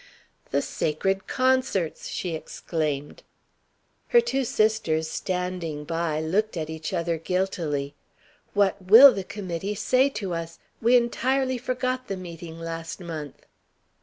"The Sacred Concerts!" she exclaimed. Her two sisters, standing by, looked at each other guiltily: "What will the Committee say to us? We entirely forgot the meeting last month."